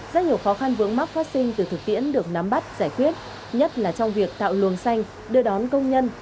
rất nhiều khó khăn vướng mắc phát sinh từ thực tiễn được nắm bắt giải quyết nhất là trong việc tạo luồng xanh đưa đón công nhân